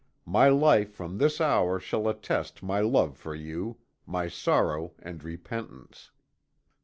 My life from this hour shall attest my love for you, my sorrow and repentance.